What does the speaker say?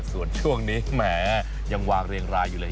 ส่วนช่วงนี้แหมยังวางเรียงรายอยู่เลย